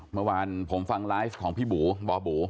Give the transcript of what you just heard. เมื่อวานผมฟังไลฟ์ของพี่บูบ่อบู